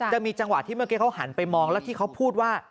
จะมีจังหวะที่เมื่อกี้เขาหันไปมองแล้วที่เขาพูดว่า